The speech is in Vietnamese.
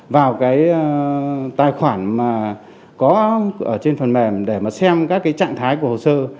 vào cái tài khoản mà có ở trên phần mềm để mà xem các cái trạng thái của hồ sơ